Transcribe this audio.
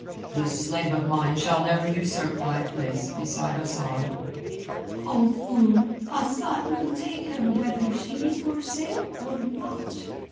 "This slave of mine shall never usurp thy place beside Asad." "O fool, Asad will take her whether she be for sale or not."